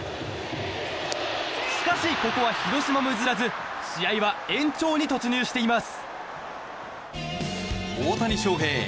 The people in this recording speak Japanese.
しかし、ここは広島も譲らず試合は延長に突入しています。